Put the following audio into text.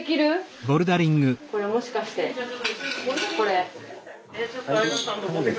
これもしかしてこれ。